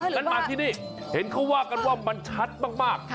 งั้นมาที่นี่เห็นเขาว่ากันว่ามันชัดมาก